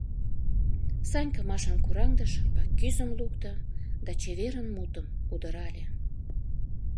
— Санька Машам кораҥдыш, паккӱзым лукто да «чеверын» мутым удырале.